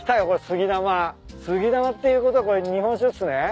杉玉っていうことはこれ日本酒っすね。